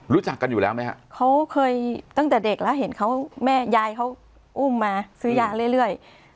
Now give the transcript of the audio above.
รู้จักกันอยู่แล้วไหมฮะเขาเคยตั้งแต่เด็กแล้วเห็นเขาแม่ยายเขาอุ้มมาซื้อยาเรื่อย